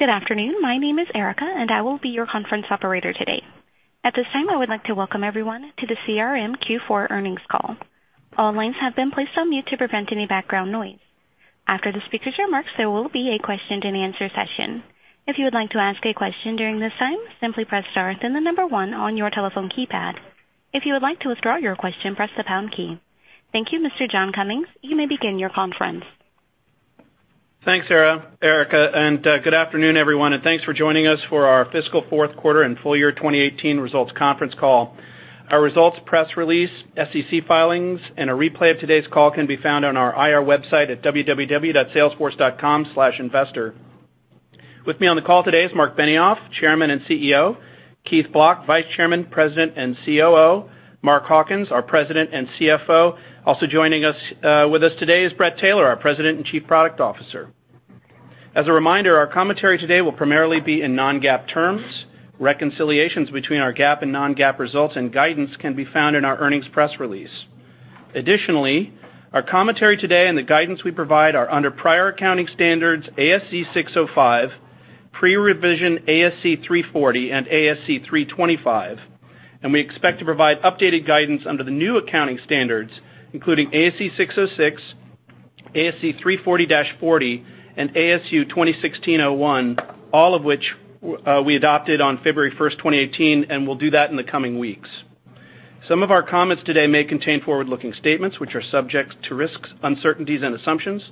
Good afternoon. My name is Erica, and I will be your conference operator today. At this time, I would like to welcome everyone to the CRM Q4 earnings call. All lines have been placed on mute to prevent any background noise. After the speakers' remarks, there will be a question and answer session. If you would like to ask a question during this time, simply press star, then the number 1 on your telephone keypad. If you would like to withdraw your question, press the pound key. Thank you, Mr. John Cummings, you may begin your conference. Thanks, Erica, good afternoon, everyone, thanks for joining us for our fiscal fourth quarter and full year 2018 results conference call. Our results, press release, SEC filings, and a replay of today's call can be found on our IR website at www.salesforce.com/investor. With me on the call today is Marc Benioff, Chairman and CEO, Keith Block, Vice Chairman, President, and COO, Mark Hawkins, our President and CFO. Also joining us with us today is Bret Taylor, our President and Chief Product Officer. As a reminder, our commentary today will primarily be in non-GAAP terms. Reconciliations between our GAAP and non-GAAP results and guidance can be found in our earnings press release. Additionally, our commentary today and the guidance we provide are under prior accounting standards, ASC 605, pre-revision ASC 340, and ASC 325. We expect to provide updated guidance under the new accounting standards, including ASC 606, ASC 340-40, and ASU 2016-01, all of which we adopted on February 1st, 2018, and we'll do that in the coming weeks. Some of our comments today may contain forward-looking statements which are subject to risks, uncertainties, and assumptions,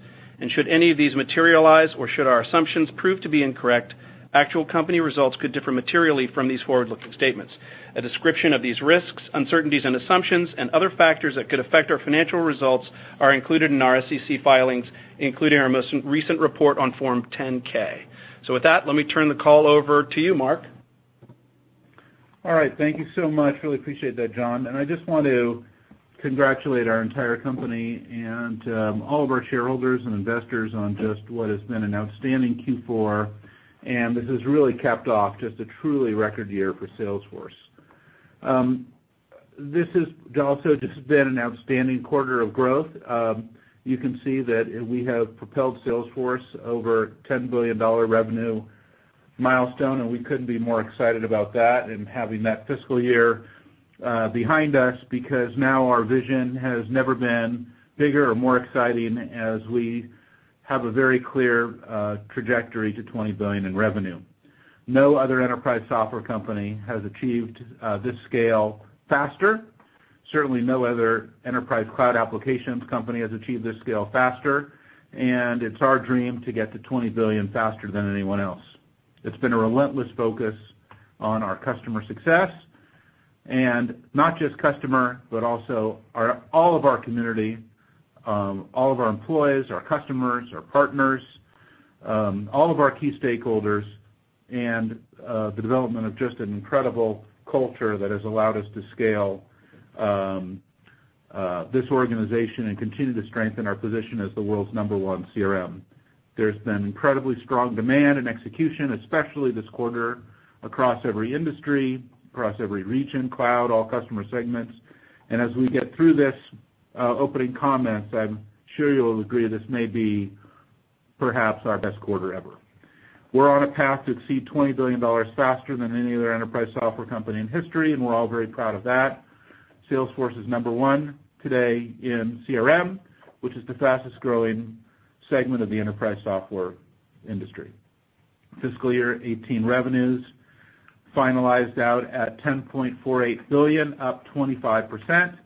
should any of these materialize or should our assumptions prove to be incorrect, actual company results could differ materially from these forward-looking statements. A description of these risks, uncertainties, and assumptions, and other factors that could affect our financial results are included in our SEC filings, including our most recent report on Form 10-K. With that, let me turn the call over to you, Mark. All right. Thank you so much. Really appreciate that, John. I just want to congratulate our entire company and all of our shareholders and investors on just what has been an outstanding Q4, this has really capped off just a truly record year for Salesforce. This has also just been an outstanding quarter of growth. You can see that we have propelled Salesforce over $10 billion revenue milestone, we couldn't be more excited about that and having that fiscal year behind us, now our vision has never been bigger or more exciting as we have a very clear trajectory to $20 billion in revenue. No other enterprise software company has achieved this scale faster. Certainly, no other enterprise cloud applications company has achieved this scale faster, it's our dream to get to $20 billion faster than anyone else. It's been a relentless focus on our customer success, not just customer, but also all of our community, all of our employees, our customers, our partners, all of our key stakeholders, and the development of just an incredible culture that has allowed us to scale this organization and continue to strengthen our position as the world's number one CRM. There's been incredibly strong demand and execution, especially this quarter, across every industry, across every region, cloud, all customer segments. As we get through these opening comments, I'm sure you'll agree this may be perhaps our best quarter ever. We're on a path to exceed $20 billion faster than any other enterprise software company in history, we're all very proud of that. Salesforce is number one today in CRM, which is the fastest-growing segment of the enterprise software industry. Fiscal year 2018 revenues finalized out at $10.48 billion, up 25%.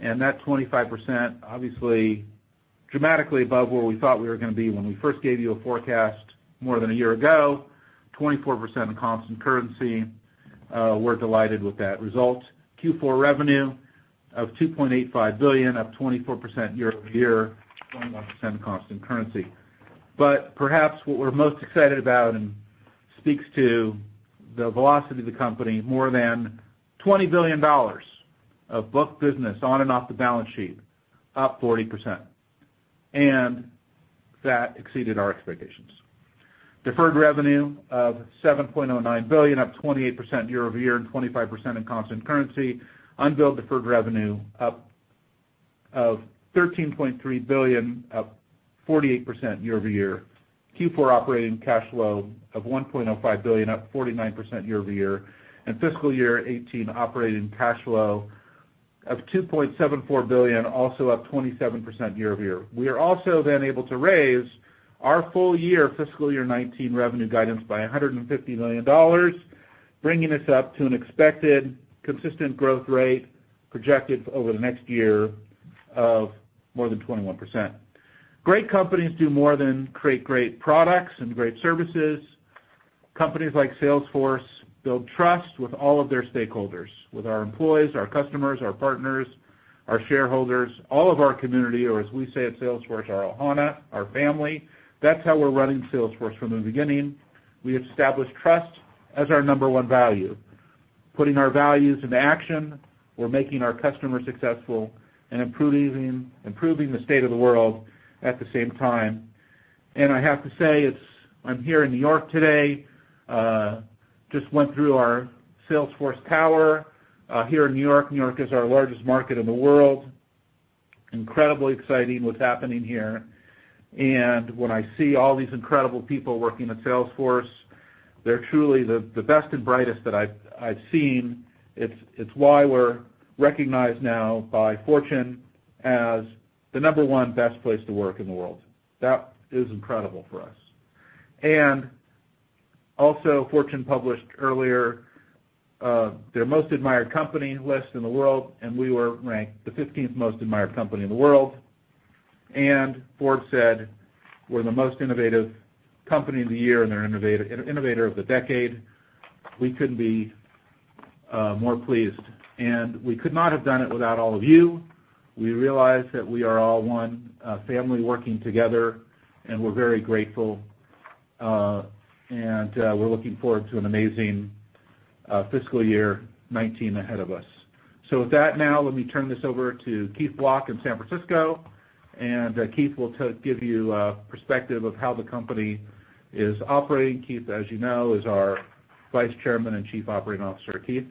That 25% obviously dramatically above where we thought we were going to be when we first gave you a forecast more than a year ago, 24% in constant currency. We're delighted with that result. Q4 revenue of $2.85 billion, up 24% year-over-year, 21% in constant currency. Perhaps what we're most excited about and speaks to the velocity of the company, more than $20 billion of booked business on and off the balance sheet, up 40%. That exceeded our expectations. Deferred revenue of $7.09 billion, up 28% year-over-year, 25% in constant currency. Unbilled deferred revenue of $13.3 billion, up 48% year-over-year. Q4 operating cash flow of $1.05 billion, up 49% year-over-year. Fiscal year 2018 operating cash flow of $2.74 billion, also up 27% year-over-year. We are also able to raise our full year fiscal year 2019 revenue guidance by $150 million, bringing us up to an expected consistent growth rate projected over the next year of more than 21%. Great companies do more than create great products and great services. Companies like Salesforce build trust with all of their stakeholders, with our employees, our customers, our partners, our shareholders, all of our community, or as we say at Salesforce, our ohana, our family. That's how we're running Salesforce from the beginning. We established trust as our number one value, putting our values into action or making our customers successful and improving the state of the world at the same time. I have to say, I'm here in New York today, just went through our Salesforce Tower here in New York. New York is our largest market in the world. Incredibly exciting what's happening here. When I see all these incredible people working at Salesforce, they're truly the best and brightest that I've seen. It's why we're recognized now by Fortune as the number one best place to work in the world. That is incredible for us. Also, Fortune published earlier their most admired company list in the world, we were ranked the 15th most admired company in the world. Forbes said we're the most innovative company of the year and the innovator of the decade. We couldn't be more pleased. We could not have done it without all of you. We realize that we are all one family working together, we're very grateful. We're looking forward to an amazing fiscal year 2019 ahead of us. Let me turn this over to Keith Block in San Francisco, and Keith will give you a perspective of how the company is operating. Keith, as you know, is our Vice Chairman and Chief Operating Officer. Keith?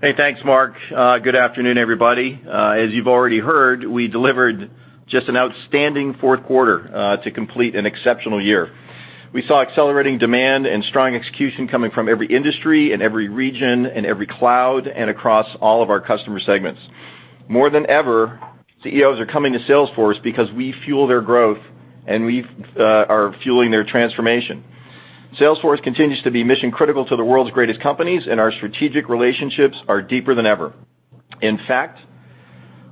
Hey, thanks, Marc. Good afternoon, everybody. As you've already heard, we delivered just an outstanding fourth quarter to complete an exceptional year. We saw accelerating demand and strong execution coming from every industry, in every region, in every cloud, and across all of our customer segments. More than ever, CEOs are coming to Salesforce because we fuel their growth, and we are fueling their transformation. Salesforce continues to be mission-critical to the world's greatest companies, and our strategic relationships are deeper than ever. In fact,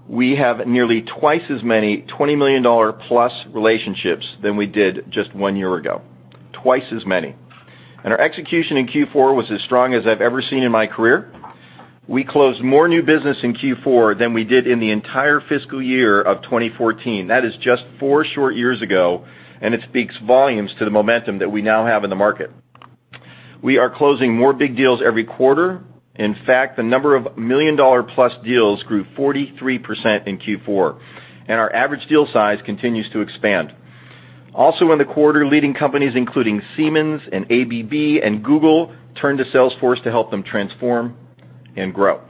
we have nearly twice as many $20 million+ relationships than we did just one year ago. Twice as many. Our execution in Q4 was as strong as I've ever seen in my career. We closed more new business in Q4 than we did in the entire fiscal year of 2014. That is just four short years ago, and it speaks volumes to the momentum that we now have in the market. We are closing more big deals every quarter. In fact, the number of million-dollar-plus deals grew 43% in Q4, and our average deal size continues to expand. Also in the quarter, leading companies, including Siemens and ABB, and Google turned to Salesforce to help them transform and grow.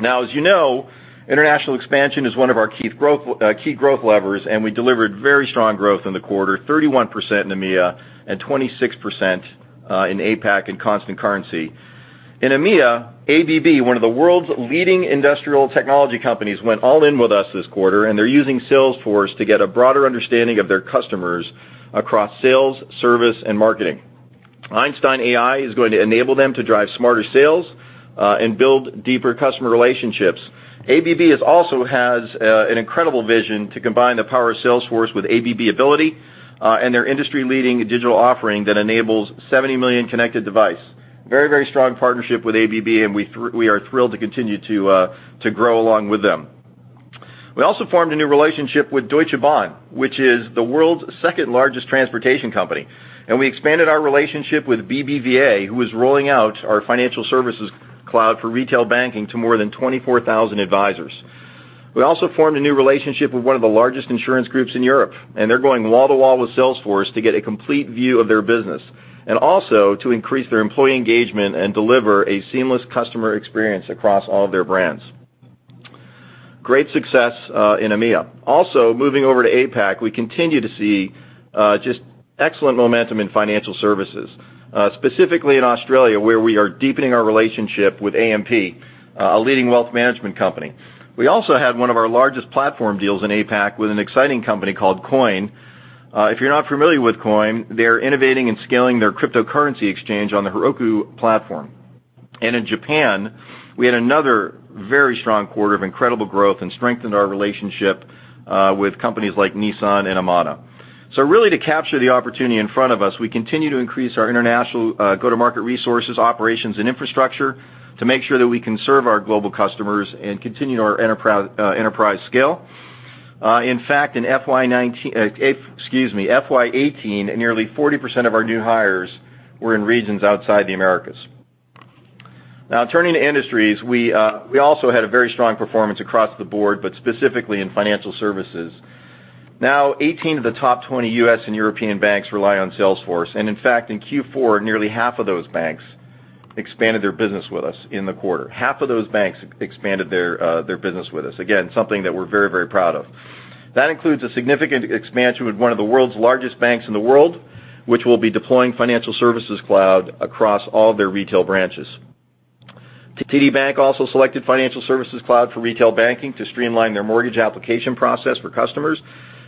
As you know, international expansion is one of our key growth levers, and we delivered very strong growth in the quarter, 31% in EMEA and 26% in APAC in constant currency. In EMEA, ABB, one of the world's leading industrial technology companies, went all in with us this quarter, and they're using Salesforce to get a broader understanding of their customers across sales, service, and marketing. Einstein AI is going to enable them to drive smarter sales and build deeper customer relationships. ABB also has an incredible vision to combine the power of Salesforce with ABB Ability and their industry-leading digital offering that enables 70 million connected device. Very strong partnership with ABB, and we are thrilled to continue to grow along with them. We also formed a new relationship with Deutsche Bahn, which is the world's second-largest transportation company. We expanded our relationship with BBVA, who is rolling out our Financial Services Cloud for retail banking to more than 24,000 advisors. We also formed a new relationship with one of the largest insurance groups in Europe, and they're going wall to wall with Salesforce to get a complete view of their business, also to increase their employee engagement and deliver a seamless customer experience across all of their brands. Great success in EMEA. Moving over to APAC, we continue to see just excellent momentum in financial services, specifically in Australia, where we are deepening our relationship with AMP, a leading wealth management company. We also had one of our largest platform deals in APAC with an exciting company called QUOINE. If you're not familiar with QUOINE, they're innovating and scaling their cryptocurrency exchange on the Heroku platform. In Japan, we had another very strong quarter of incredible growth and strengthened our relationship with companies like Nissan and AMADA. Really to capture the opportunity in front of us, we continue to increase our international go-to-market resources, operations, and infrastructure to make sure that we can serve our global customers and continue our enterprise scale. In fact, in FY 2018, nearly 40% of our new hires were in regions outside the Americas. Turning to industries, we also had a very strong performance across the board, but specifically in financial services. 18 of the top 20 U.S. and European banks rely on Salesforce, in fact, in Q4, nearly half of those banks expanded their business with us in the quarter. Half of those banks expanded their business with us. Again, something that we're very, very proud of. That includes a significant expansion with one of the world's largest banks in the world, which will be deploying Financial Services Cloud across all their retail branches. TD Bank also selected Financial Services Cloud for retail banking to streamline their mortgage application process for customers.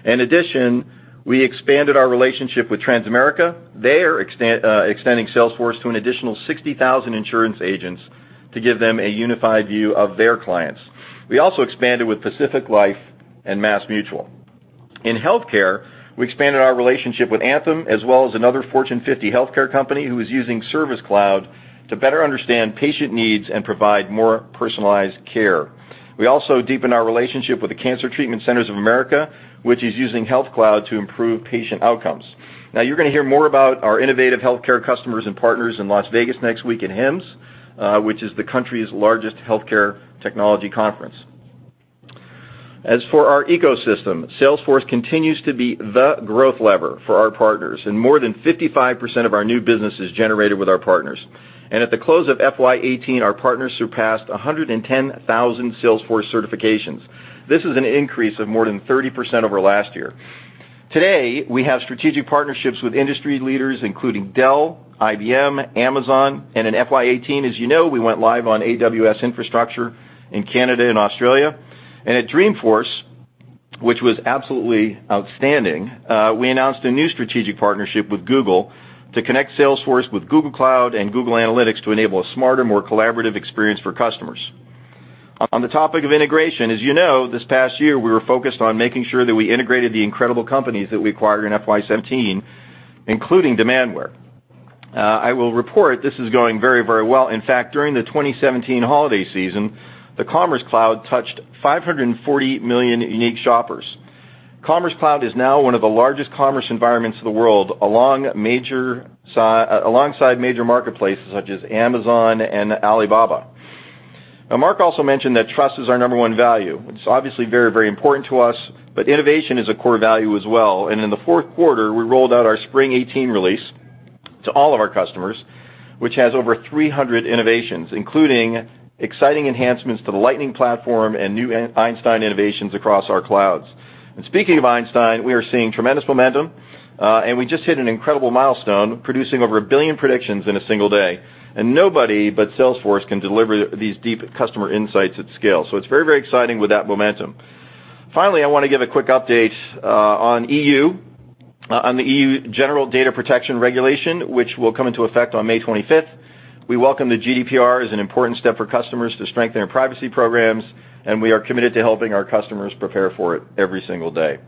In addition, we expanded our relationship with Transamerica. They are extending Salesforce to an additional 60,000 insurance agents to give them a unified view of their clients. We also expanded with Pacific Life and MassMutual. In healthcare, we expanded our relationship with Anthem, as well as another Fortune 50 healthcare company who is using Service Cloud to better understand patient needs and provide more personalized care. We also deepened our relationship with the Cancer Treatment Centers of America, which is using Health Cloud to improve patient outcomes. You're going to hear more about our innovative healthcare customers and partners in Las Vegas next week at HIMSS, which is the country's largest healthcare technology conference. As for our ecosystem, Salesforce continues to be the growth lever for our partners, more than 55% of our new business is generated with our partners. At the close of FY 2018, our partners surpassed 110,000 Salesforce certifications. This is an increase of more than 30% over last year. Today, we have strategic partnerships with industry leaders including Dell, IBM, Amazon, in FY 2018, as you know, we went live on AWS infrastructure in Canada and Australia. At Dreamforce, which was absolutely outstanding, we announced a new strategic partnership with Google to connect Salesforce with Google Cloud and Google Analytics to enable a smarter, more collaborative experience for customers. On the topic of integration, as you know, this past year, we were focused on making sure that we integrated the incredible companies that we acquired in FY 2017, including Demandware. I will report this is going very well. In fact, during the 2017 holiday season, the Commerce Cloud touched 540 million unique shoppers. Commerce Cloud is now one of the largest commerce environments in the world, alongside major marketplaces such as Amazon and Alibaba. Mark also mentioned that trust is our number one value. It's obviously very important to us, but innovation is a core value as well. In the fourth quarter, we rolled out our Spring '18 release to all of our customers, which has over 300 innovations, including exciting enhancements to the Lightning Platform and new Einstein innovations across our clouds. Speaking of Einstein, we are seeing tremendous momentum, and we just hit an incredible milestone, producing over 1 billion predictions in a single day. Nobody but Salesforce can deliver these deep customer insights at scale. It's very exciting with that momentum. Finally, I want to give a quick update on the EU General Data Protection Regulation, which will come into effect on May 25th. We welcome the GDPR as an important step for customers to strengthen their privacy programs, and we are committed to helping our customers prepare for it every single day.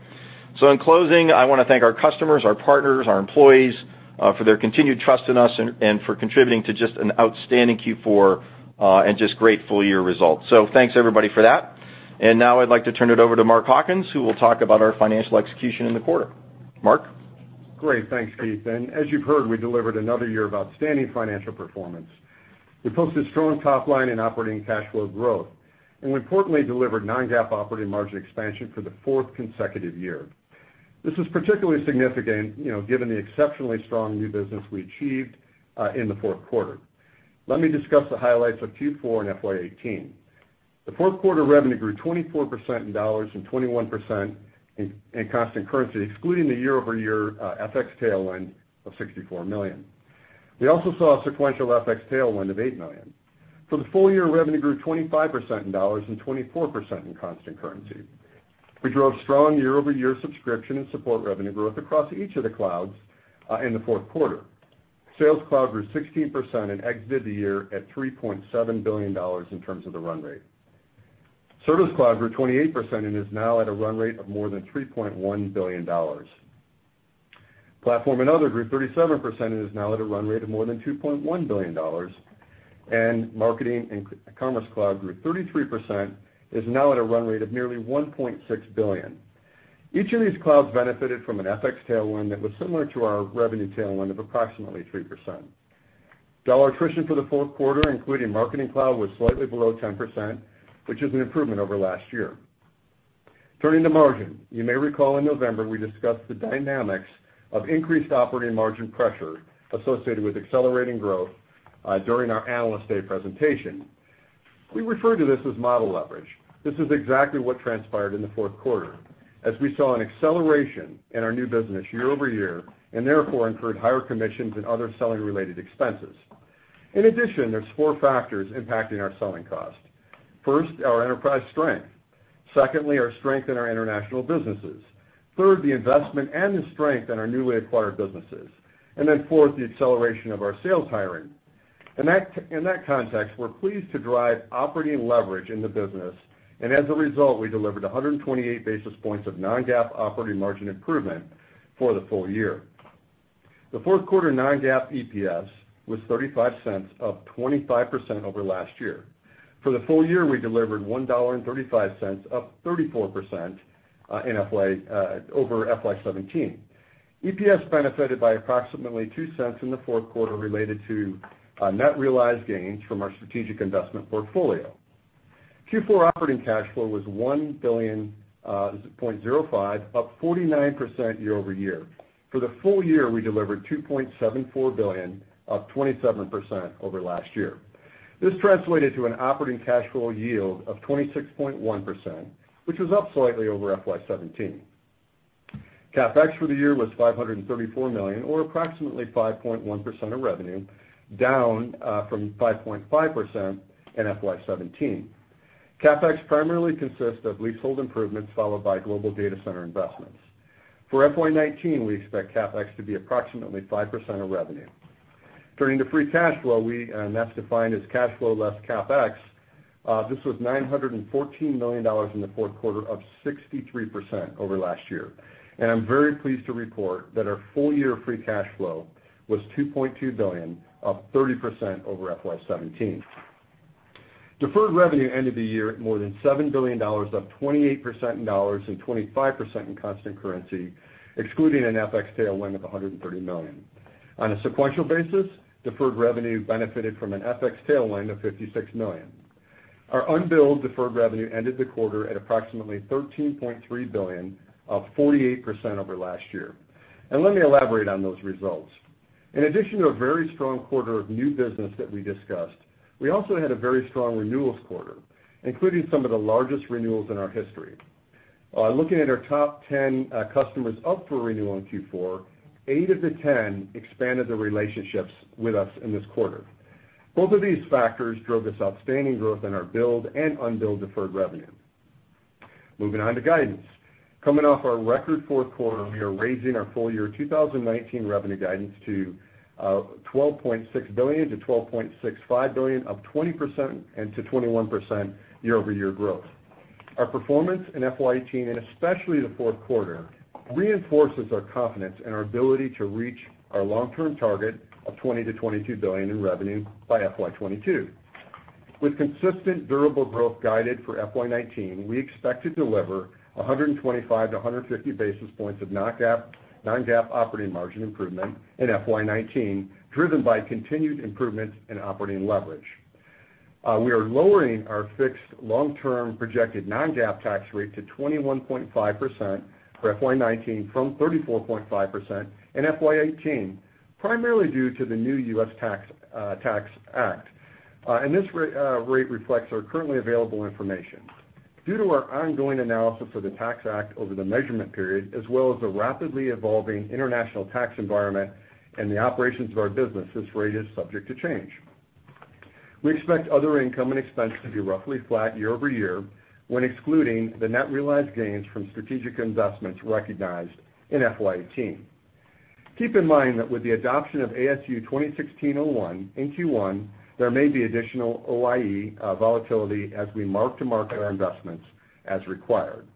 In closing, I want to thank our customers, our partners, our employees, for their continued trust in us and for contributing to just an outstanding Q4, and just great full-year results. Thanks, everybody, for that. Now I'd like to turn it over to Mark Hawkins, who will talk about our financial execution in the quarter. Mark? Great. Thanks, Keith. As you've heard, we delivered another year of outstanding financial performance. We posted strong top-line and operating cash flow growth. We importantly delivered non-GAAP operating margin expansion for the fourth consecutive year. This is particularly significant given the exceptionally strong new business we achieved in the fourth quarter. Let me discuss the highlights of Q4 and FY 2018. The fourth quarter revenue grew 24% in dollars and 21% in constant currency, excluding the year-over-year FX tailwind of $64 million. We also saw a sequential FX tailwind of $8 million. For the full year, revenue grew 25% in dollars and 24% in constant currency. We drove strong year-over-year subscription and support revenue growth across each of the clouds in the fourth quarter. Sales Cloud grew 16% and exited the year at $3.7 billion in terms of the run rate. Service Cloud grew 28% and is now at a run rate of more than $3.1 billion. Platform and Other grew 37% and is now at a run rate of more than $2.1 billion. Marketing and Commerce Cloud grew 33%, is now at a run rate of nearly $1.6 billion. Each of these clouds benefited from an FX tailwind that was similar to our revenue tailwind of approximately 3%. Dollar attrition for the fourth quarter, including Marketing Cloud, was slightly below 10%, which is an improvement over last year. Turning to margin. You may recall in November, we discussed the dynamics of increased operating margin pressure associated with accelerating growth during our Analyst Day presentation. We refer to this as model leverage. This is exactly what transpired in the fourth quarter as we saw an acceleration in our new business year-over-year, and therefore incurred higher commissions and other selling-related expenses. In addition, there's 4 factors impacting our selling cost. First, our enterprise strength. Secondly, our strength in our international businesses. Third, the investment and the strength in our newly acquired businesses. Fourth, the acceleration of our sales hiring. In that context, we're pleased to drive operating leverage in the business, and as a result, we delivered 128 basis points of non-GAAP operating margin improvement for the full year. The fourth quarter non-GAAP EPS was $0.35, up 25% over last year. For the full year, we delivered $1.35, up 34% over FY 2017. EPS benefited by approximately $0.02 in the fourth quarter related to net realized gains from our strategic investment portfolio. Q4 operating cash flow was $1.05 billion, up 49% year-over-year. For the full year, we delivered $2.74 billion, up 27% over last year. This translated to an operating cash flow yield of 26.1%, which was up slightly over FY 2017. CapEx for the year was $534 million, or approximately 5.1% of revenue, down from 5.5% in FY 2017. CapEx primarily consists of leasehold improvements followed by global data center investments. For FY 2019, we expect CapEx to be approximately 5% of revenue. Turning to free cash flow, that's defined as cash flow less CapEx, this was $914 million in the fourth quarter, up 63% over last year. I'm very pleased to report that our full-year free cash flow was $2.2 billion, up 30% over FY 2017. Deferred revenue ended the year at more than $7 billion, up 28% in dollars and 25% in constant currency, excluding an FX tailwind of $130 million. On a sequential basis, deferred revenue benefited from an FX tailwind of $56 million. Our unbilled deferred revenue ended the quarter at approximately $13.3 billion, up 48% over last year. Let me elaborate on those results. In addition to a very strong quarter of new business that we discussed, we also had a very strong renewals quarter, including some of the largest renewals in our history. Looking at our top 10 customers up for renewal in Q4, 8 of the 10 expanded their relationships with us in this quarter. Both of these factors drove this outstanding growth in our billed and unbilled deferred revenue. Moving on to guidance. Coming off our record fourth quarter, we are raising our full year 2019 revenue guidance to $12.6 billion-$12.65 billion, up 20%-21% year-over-year growth. Our performance in FY 2018, especially the fourth quarter, reinforces our confidence in our ability to reach our long-term target of $20 billion-$22 billion in revenue by FY 2022. With consistent durable growth guided for FY 2019, we expect to deliver 125-150 basis points of non-GAAP operating margin improvement in FY 2019, driven by continued improvements in operating leverage. We are lowering our fixed long-term projected non-GAAP tax rate to 21.5% for FY 2019 from 34.5% in FY 2018, primarily due to the new U.S. Tax Act. This rate reflects our currently available information. Due to our ongoing analysis of the Tax Act over the measurement period, as well as the rapidly evolving international tax environment and the operations of our business, this rate is subject to change. We expect other income and expense to be roughly flat year-over-year when excluding the net realized gains from strategic investments recognized in FY 2018. Keep in mind that with the adoption of ASU 2016-01 in Q1, there may be additional OIE volatility as we mark to market our investments as required.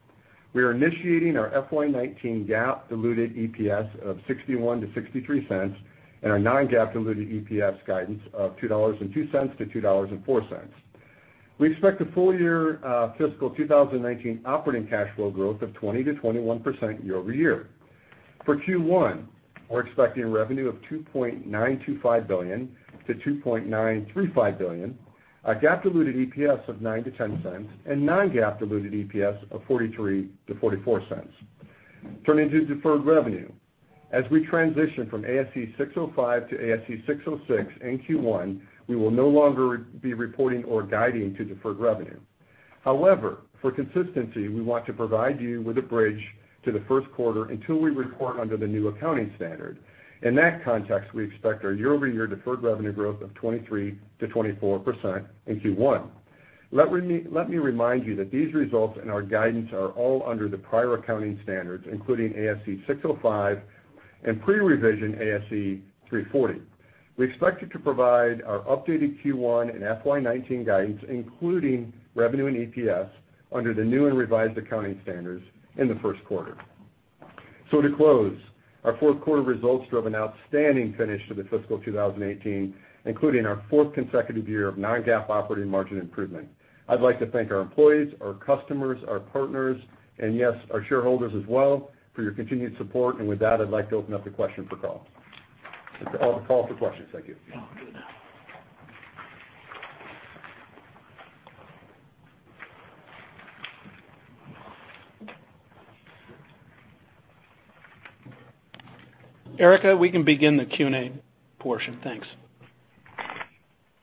We are initiating our FY 2019 GAAP diluted EPS of $0.61-$0.63 and our non-GAAP diluted EPS guidance of $2.02-$2.04. We expect the full year fiscal 2019 operating cash flow growth of 20%-21% year-over-year. For Q1, we're expecting revenue of $2.925 billion-$2.935 billion, a GAAP diluted EPS of $0.09-$0.10, and non-GAAP diluted EPS of $0.43-$0.44. Turning to deferred revenue. As we transition from ASC 605 to ASC 606 in Q1, we will no longer be reporting or guiding to deferred revenue. However, for consistency, we want to provide you with a bridge to the first quarter until we report under the new accounting standard. In that context, we expect our year-over-year deferred revenue growth of 23%-24% in Q1. Let me remind you that these results and our guidance are all under the prior accounting standards, including ASC 605 and pre-revision ASC 340. We expect to provide our updated Q1 and FY 2019 guidance, including revenue and EPS, under the new and revised accounting standards in the first quarter. To close, our fourth quarter results drove an outstanding finish to the fiscal 2018, including our fourth consecutive year of non-GAAP operating margin improvement. I'd like to thank our employees, our customers, our partners, and yes, our shareholders as well for your continued support. With that, I'd like to open up the call for questions. Thank you. Erica, we can begin the Q&A portion. Thanks.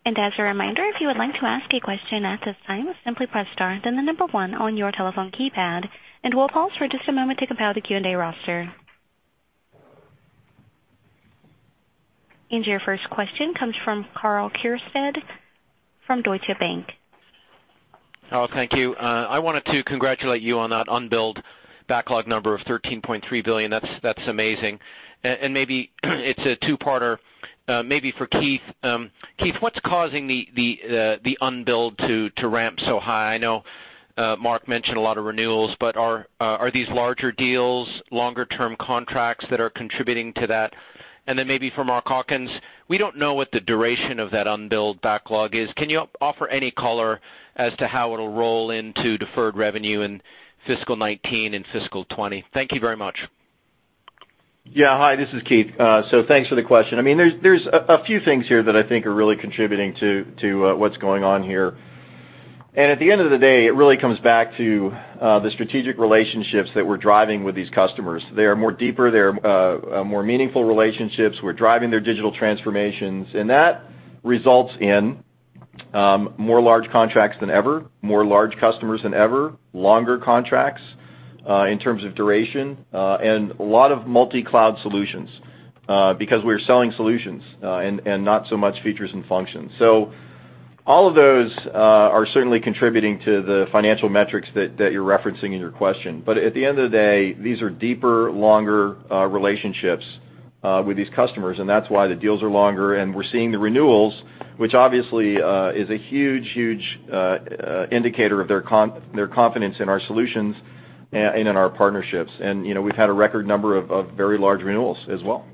As a reminder, if you would like to ask a question at this time, simply press star, then the number one on your telephone keypad, and we'll pause for just a moment to compile the Q&A roster. Your first question comes from Karl Keirstead from Deutsche Bank. Karl, thank you. I wanted to congratulate you on that unbilled backlog number of $13.3 billion. That's amazing. Maybe it's a two-parter, maybe for Keith. Keith, what's causing the unbilled to ramp so high? I know Mark mentioned a lot of renewals, but are these larger deals, longer-term contracts that are contributing to that? Then maybe for Mark Hawkins, we don't know what the duration of that unbilled backlog is. Can you offer any color as to how it'll roll into deferred revenue in fiscal 2019 and fiscal 2020? Thank you very much. Hi, this is Keith. Thanks for the question. There's a few things here that I think are really contributing to what's going on here. At the end of the day, it really comes back to the strategic relationships that we're driving with these customers. They are more deeper, they are more meaningful relationships. We're driving their digital transformations, that results in more large contracts than ever, more large customers than ever, longer contracts, in terms of duration, a lot of multi-cloud solutions, because we're selling solutions, not so much features and functions. All of those are certainly contributing to the financial metrics that you're referencing in your question. At the end of the day, these are deeper, longer relationships with these customers, that's why the deals are longer, we're seeing the renewals, which obviously is a huge indicator of their confidence in our solutions and in our partnerships. We've had a record number of very large renewals as well.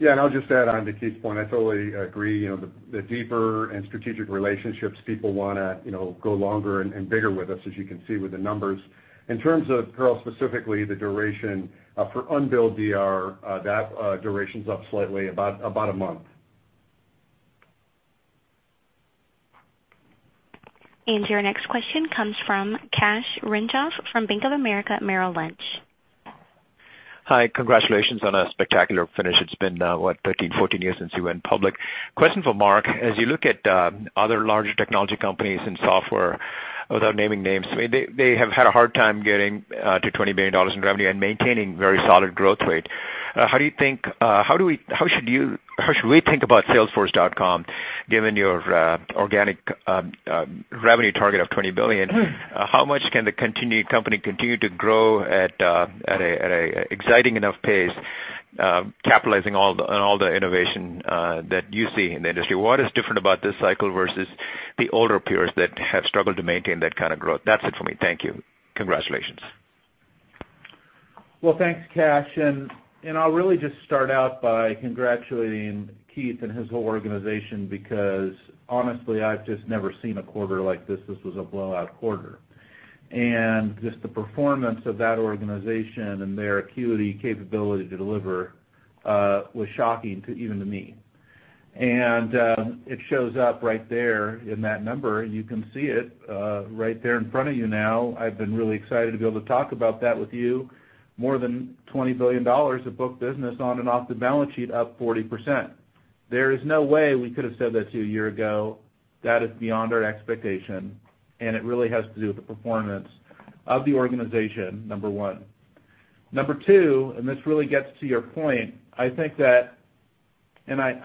I'll just add on to Keith's point. I totally agree. The deeper and strategic relationships people want to go longer and bigger with us, as you can see with the numbers. In terms of, Karl, specifically the duration for unbilled DR, that duration's up slightly about a month. Your next question comes from Kash Rangan from Bank of America Merrill Lynch. Hi. Congratulations on a spectacular finish. It's been, what, 13, 14 years since you went public. Question for Mark. As you look at other large technology companies in software, without naming names, they have had a hard time getting to $20 billion in revenue and maintaining very solid growth rate. How should we think about salesforce.com, given your organic revenue target of $20 billion? How much can the company continue to grow at an exciting enough pace, capitalizing on all the innovation that you see in the industry? What is different about this cycle versus the older peers that have struggled to maintain that kind of growth? That's it for me. Thank you. Congratulations. Thanks, Kash. I'll really just start out by congratulating Keith and his whole organization, because honestly, I've just never seen a quarter like this. This was a blowout quarter. Just the performance of that organization and their acuity, capability to deliver, was shocking even to me. It shows up right there in that number, and you can see it right there in front of you now. I've been really excited to be able to talk about that with you. More than $20 billion of book business on and off the balance sheet, up 40%. There is no way we could have said that to you a year ago. That is beyond our expectation, and it really has to do with the performance of the organization, number 1. Number 2, this really gets to your point, I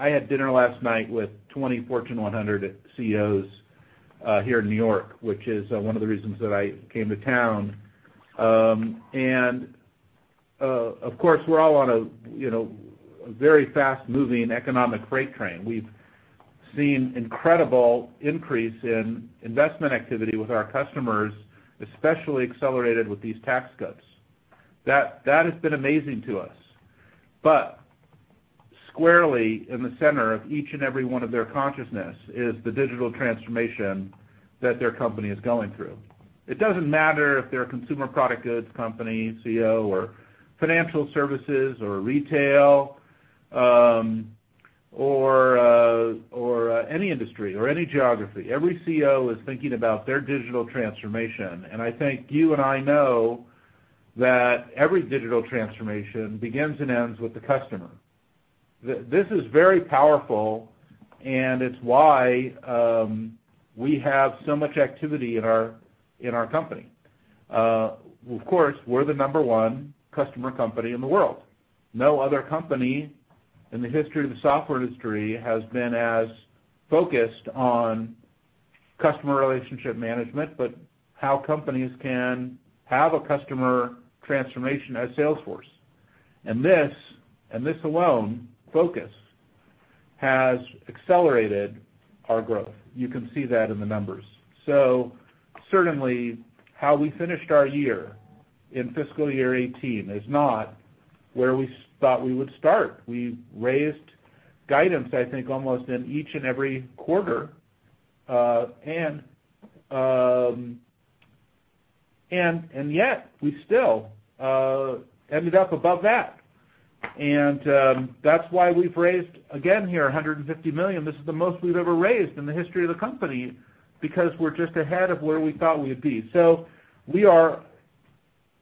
had dinner last night with 20 Fortune 100 CEOs here in New York, which is one of the reasons that I came to town. Of course, we're all on a very fast-moving economic freight train. We've seen incredible increase in investment activity with our customers, especially accelerated with these tax cuts. That has been amazing to us. Squarely in the center of each and every one of their consciousness is the digital transformation that their company is going through. It doesn't matter if they're a consumer product goods company CEO or financial services or retail, or any industry or any geography. Every CEO is thinking about their digital transformation, and I think you and I know that every digital transformation begins and ends with the customer. This is very powerful, and it's why we have so much activity in our company. Of course, we're the number 1 customer company in the world. No other company in the history of the software industry has been as focused on customer relationship management, but how companies can have a customer transformation as Salesforce. This alone, focus, has accelerated our growth. You can see that in the numbers. Certainly, how we finished our year in fiscal year 2018 is not where we thought we would start. We raised guidance, I think, almost in each and every quarter, and yet we still ended up above that. That's why we've raised again here, $150 million. This is the most we've ever raised in the history of the company because we're just ahead of where we thought we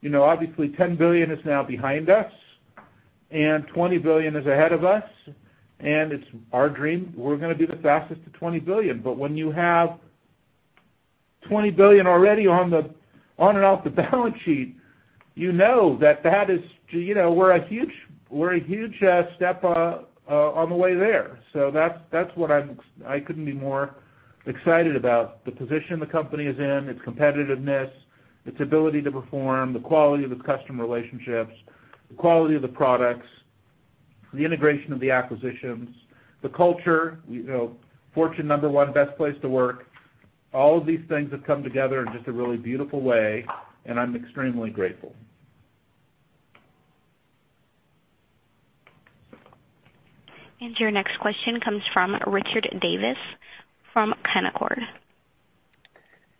would be. Obviously, $10 billion is now behind us, and $20 billion is ahead of us, and it's our dream. We're going to be the fastest to $20 billion. When you have $20 billion already on and off the balance sheet, you know that we're a huge step on the way there. I couldn't be more excited about the position the company is in, its competitiveness, its ability to perform, the quality of its customer relationships, the quality of the products, the integration of the acquisitions, the culture, Fortune number one best place to work. All of these things have come together in just a really beautiful way, and I'm extremely grateful. Your next question comes from Richard Davis at Canaccord.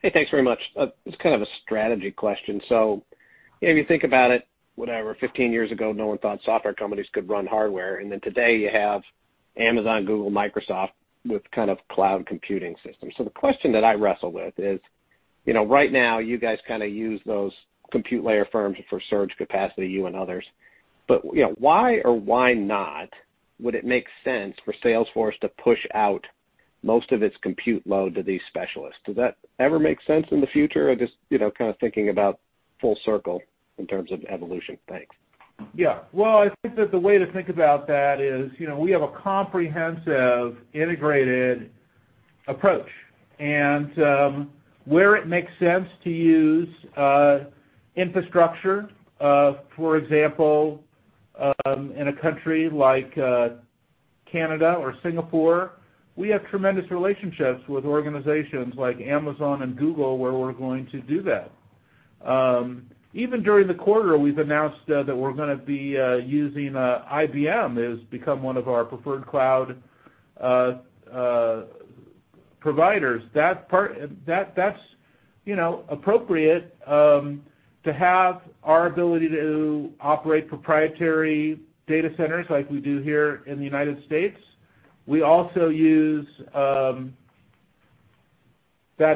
Hey, thanks very much. It's kind of a strategy question. If you think about it, whatever, 15 years ago, no one thought software companies could run hardware, then today you have Amazon, Google, Microsoft, with kind of cloud computing systems. The question that I wrestle with is, right now, you guys kind of use those compute layer firms for surge capacity, you and others. Why or why not would it make sense for Salesforce to push out most of its compute load to these specialists? Does that ever make sense in the future, or just kind of thinking about full circle in terms of evolution? Thanks. Yeah. Well, I think that the way to think about that is, we have a comprehensive, integrated approach. Where it makes sense to use infrastructure, for example, in a country like Canada or Singapore, we have tremendous relationships with organizations like Amazon and Google, where we're going to do that. Even during the quarter, we've announced that we're going to be using IBM, has become one of our preferred cloud providers. That's appropriate to have our ability to operate proprietary data centers like we do here in the U.S. We also use that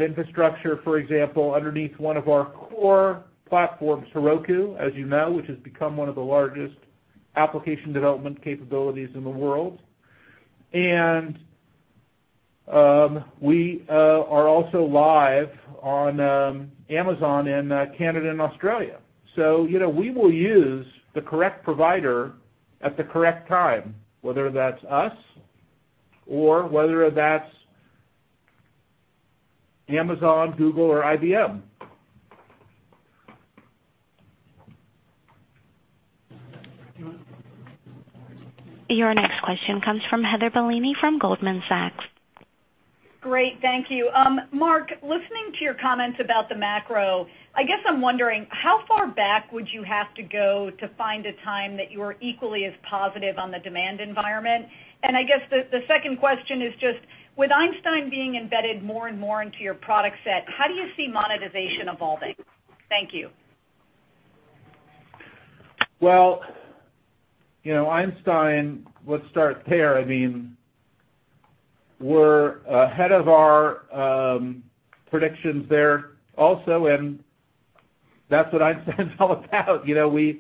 infrastructure, for example, underneath one of our core platforms, Heroku, as you know, which has become one of the largest application development capabilities in the world. We are also live on Amazon in Canada and Australia. We will use the correct provider at the correct time, whether that's us or whether that's Amazon, Google, or IBM. Your next question comes from Heather Bellini from Goldman Sachs. Great. Thank you. Mark, listening to your comments about the macro, I guess I'm wondering, how far back would you have to go to find a time that you were equally as positive on the demand environment? I guess the second question is just, with Einstein being embedded more and more into your product set, how do you see monetization evolving? Thank you. Well, Einstein, let's start there. We're ahead of our predictions there also, and that's what Einstein's all about. We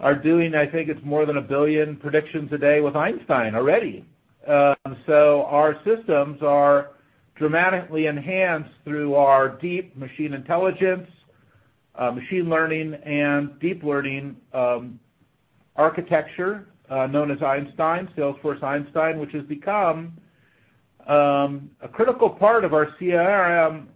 are doing, I think it's more than 1 billion predictions a day with Einstein already. Our systems are dramatically enhanced through our deep machine intelligence, machine learning, and deep learning architecture, known as Einstein, Salesforce Einstein, which has become a critical part of our CRM,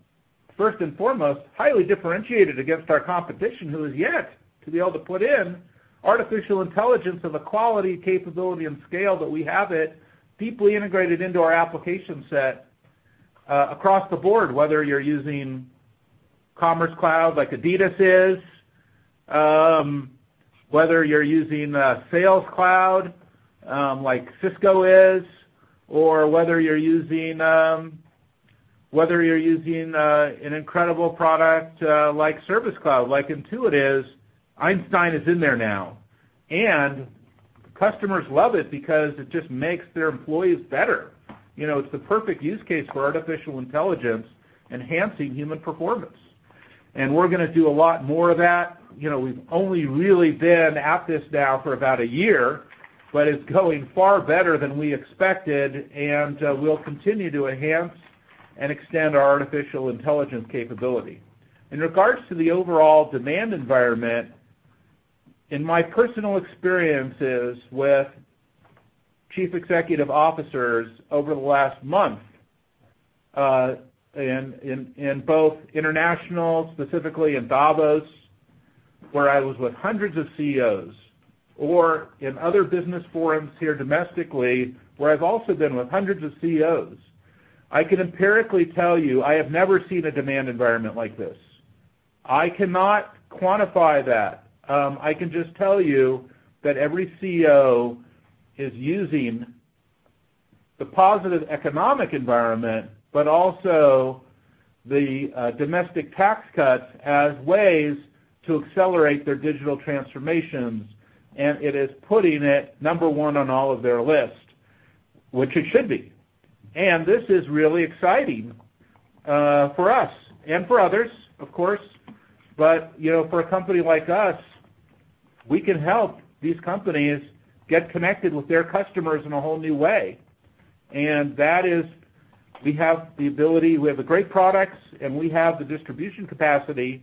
first and foremost, highly differentiated against our competition, who is yet to be able to put in artificial intelligence of the quality, capability, and scale that we have it deeply integrated into our application set across the board, whether you're using Commerce Cloud like Adidas is, whether you're using Sales Cloud, like Cisco is, or whether you're using an incredible product like Service Cloud, like Intuit is. Einstein is in there now. Customers love it because it just makes their employees better. It's the perfect use case for artificial intelligence, enhancing human performance. We're going to do a lot more of that. We've only really been at this now for about a year, but it's going far better than we expected, and we'll continue to enhance and extend our artificial intelligence capability. In regards to the overall demand environment, in my personal experiences with chief executive officers over the last month, in both international, specifically in Davos, where I was with hundreds of CEOs, or in other business forums here domestically, where I've also been with hundreds of CEOs, I can empirically tell you, I have never seen a demand environment like this. I cannot quantify that. I can just tell you that every CEO is using the positive economic environment, but also the domestic tax cuts as ways to accelerate their digital transformations, and it is putting it number 1 on all of their lists, which it should be. This is really exciting for us and for others, of course, but for a company like us, we can help these companies get connected with their customers in a whole new way. That is, we have the ability, we have the great products, and we have the distribution capacity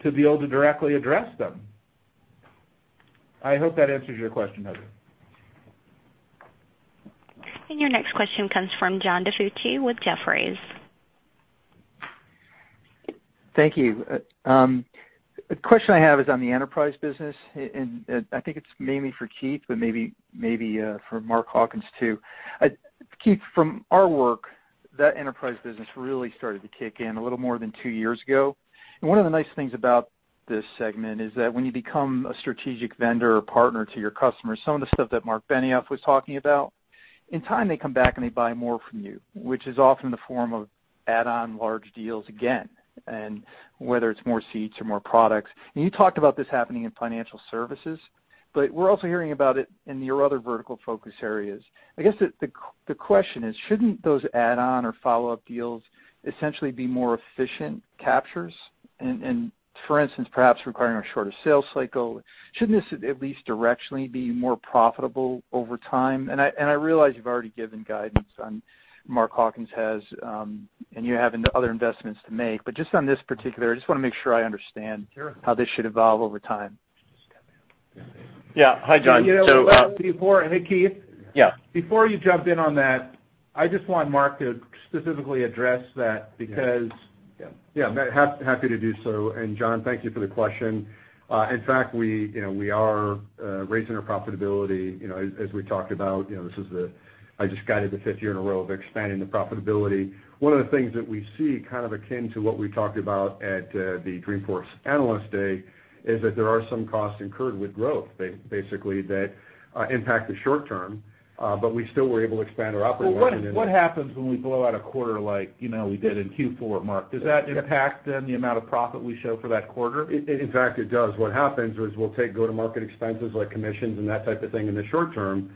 to be able to directly address them. I hope that answers your question, Heather. Your next question comes from John DiFucci with Jefferies. Thank you. The question I have is on the enterprise business, and I think it's mainly for Keith, but maybe for Mark Hawkins, too. Keith, from our work, that enterprise business really started to kick in a little more than two years ago. One of the nice things about this segment is that when you become a strategic vendor or partner to your customers, some of the stuff that Marc Benioff was talking about, in time they come back, and they buy more from you, which is often in the form of add-on large deals again, whether it's more seats or more products. You talked about this happening in financial services, but we're also hearing about it in your other vertical focus areas. I guess the question is, shouldn't those add-on or follow-up deals essentially be more efficient captures? For instance, perhaps requiring a shorter sales cycle, shouldn't this at least directionally be more profitable over time? I realize you've already given guidance on Mark Hawkins has, and you have other investments to make. Just on this particular, I just want to make sure I understand. Sure How this should evolve over time. Yeah. Hi, John. Hey, Keith. Yeah. Before you jumped in on that, I just want Mark to specifically address that. Yeah. Happy to do so. John, thank you for the question. In fact, we are raising our profitability, as we talked about. I just guided the fifth year in a row of expanding the profitability. One of the things that we see, kind of akin to what we talked about at the Dreamforce Analyst Day, is that there are some costs incurred with growth, basically, that impact the short term. We still were able to expand our operating margin. What happens when we blow out a quarter like we did in Q4, Mark? Does that impact, then, the amount of profit we show for that quarter? In fact, it does. What happens is we'll take go-to-market expenses like commissions and that type of thing in the short term,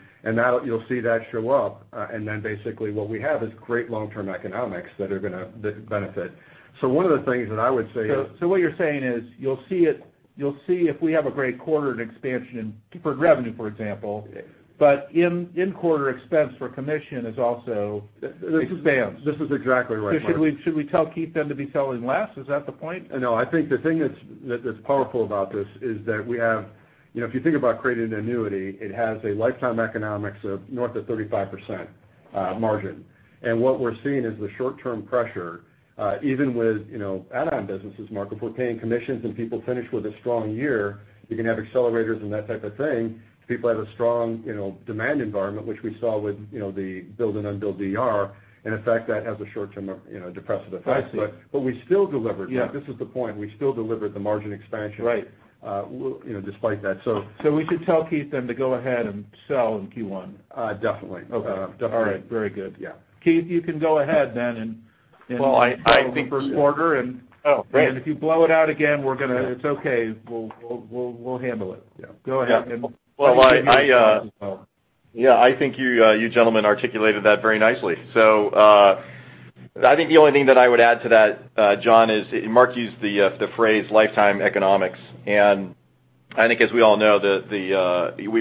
you'll see that show up, then basically what we have is great long-term economics that benefit. One of the things that I would say is What you're saying is, you'll see if we have a great quarter in expansion deferred revenue, for example. Yeah. In-quarter expense for commission also expands. This is exactly right, John. Should we tell Keith, then, to be selling less? Is that the point? No, I think the thing that's powerful about this is, if you think about creating an annuity, it has a lifetime economics of north of 35% margin. What we're seeing is the short-term pressure, even with add-on businesses, Mark, if we're paying commissions and people finish with a strong year, you can have accelerators and that type of thing. People have a strong demand environment, which we saw with the billed and unbilled DR. In fact, that has a short-term depressive effect. I see. We still delivered. Yeah. This is the point. We still delivered the margin expansion. Right despite that. We should tell Keith, then, to go ahead and sell in Q1. Definitely. Okay. Definitely. All right. Very good. Yeah. Keith, you can go ahead then. Well, I think. bill for quarter and. Oh, great. If you blow it out again, it's okay. We'll handle it. Yeah. Go ahead. I think you gentlemen articulated that very nicely. I think the only thing that I would add to that, John, is Mark used the phrase lifetime economics, I think, as we all know, we